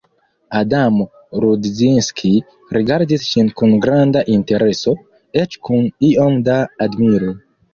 Adamo Rudzinski rigardis ŝin kun granda intereso, eĉ kun iom da admiro.